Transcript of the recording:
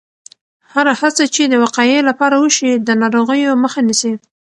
هره هڅه چې د وقایې لپاره وشي، د ناروغیو مخه نیسي.